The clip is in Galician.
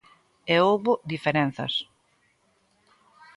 E houbo diferenzas.